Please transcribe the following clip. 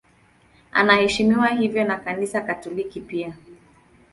Anaheshimiwa hivyo na Kanisa Katoliki pia.